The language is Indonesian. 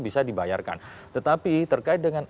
bisa dibayarkan tetapi terkait dengan